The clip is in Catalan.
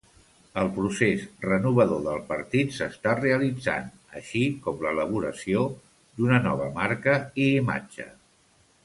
El procés renovador del partit s'està realitzant, així com l'elaboració d'una nova marca i imatge.